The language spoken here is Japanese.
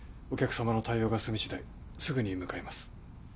お客様の対応が済みしだいすぐに向かいます